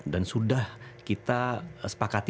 dan sudah kita sepakati